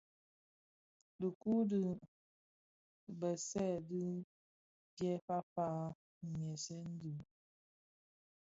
Dhiku di dhibèsèn din dyè faafa nghiesèn bi.